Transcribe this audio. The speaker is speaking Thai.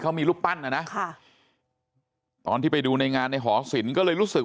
เขามีรูปปั้นนะนะค่ะตอนที่ไปดูในงานในหอศิลปก็เลยรู้สึก